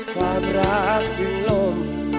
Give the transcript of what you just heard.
ความรักจึงลม